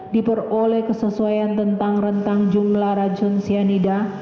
diperoleh kesesuaian tentang rentang jumlah racun cyanida